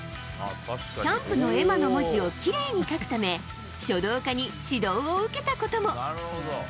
キャンプの絵馬の文字をきれいに書くため書道家に指導を受けたことも。